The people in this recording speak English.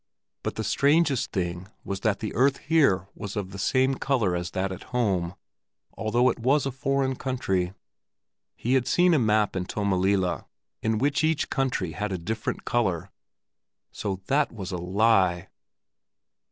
But the strangest thing was that the earth here was of the same color as that at home, although it was a foreign country. He had seen a map in Tommelilla, in which each country had a different color. So that was a lie!